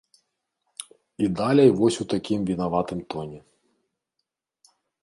І далей вось у такім вінаватым тоне.